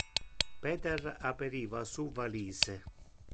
Peter aperiva su valise.